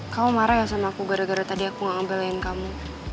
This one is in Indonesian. kamu marah ya sama aku gara gara tadi aku nggak ambil yang kamu